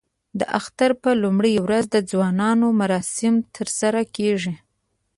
د اختر په لومړۍ ورځ د ځوانانو مراسم ترسره کېږي.